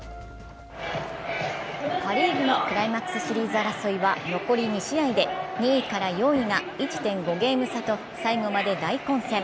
パ・リーグのクライマックスシリーズ争いは残り２試合で２位から４位が１．５ゲーム差と最後まで大混戦。